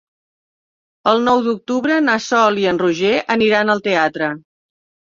El nou d'octubre na Sol i en Roger aniran al teatre.